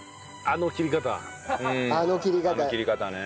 あの切り方ね。